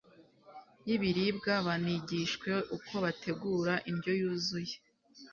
y'ibiribwa banigishwe uko bategura indyo yuzuye